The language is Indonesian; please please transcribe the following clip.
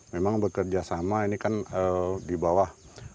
memang bekerja sama ini kan di bawah